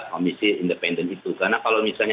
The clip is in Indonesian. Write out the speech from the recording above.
komisi independen itu karena kalau misalnya